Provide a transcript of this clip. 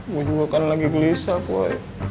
gua juga kan lagi gelisah poi